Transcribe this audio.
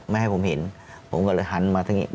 ไม่ให้ผมเห็นผมก็เลยหันมาทางนี้